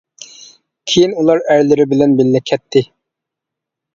كېيىن ئۇلار ئەرلىرى بىلەن بىللە كەتتى.